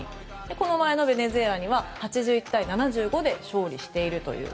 この前、ベネズエラには８１対７５で勝利しています。